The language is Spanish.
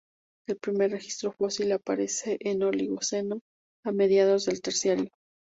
El primer registro fósil aparece en el Oligoceno, a mediados del Terciario.